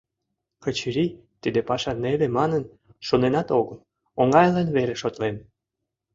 Качырий, тиде паша неле манын, шоненат огыл, оҥайлан веле шотлен.